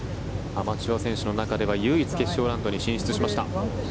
アマチュア選手の中では唯一決勝ラウンドに進出しました。